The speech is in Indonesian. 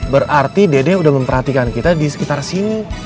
berarti dede udah memperhatikan kita di sekitar sini